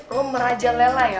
lo meraja lela ya